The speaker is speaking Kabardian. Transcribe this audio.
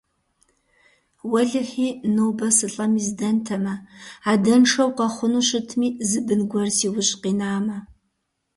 Уэлэхьи, нобэ сылӀэми здэнтэмэ, адэншэу къэхъуну щытми, зы бын гуэр си ужь къинамэ.